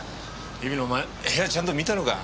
日比野お前部屋ちゃんと見たのか？